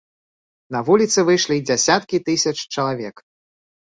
На вуліцы выйшлі дзясяткі тысяч чалавек.